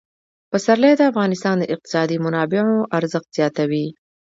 پسرلی د افغانستان د اقتصادي منابعو ارزښت زیاتوي.